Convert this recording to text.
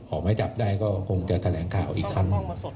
ออกมาจับได้ก็คงจะแถลงข่าวอีกครั้ง